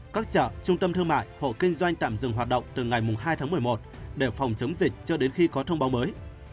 các chợ trung tâm thương mại hộ kinh doanh tạm dừng hoạt động từ ngày hai tháng một mươi một để phòng chống dịch cho đến khi có thông báo mới